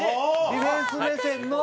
ディフェンス目線の。